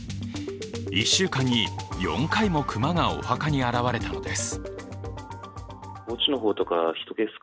１週間に４回も熊がお墓に現れたのです。